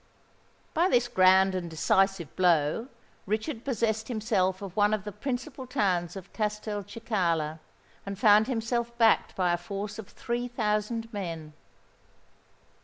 By this grand and decisive blow, Richard possessed himself of one of the principal towns of Castelcicala, and found himself backed by a force of three thousand men.